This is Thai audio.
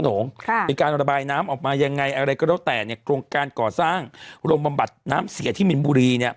ในการระบายน้ำออกมายังไงอะไรก็แล้วแต่โรงการก่อสร้างโรงประบัติน้ำเสียที่มีนบุรี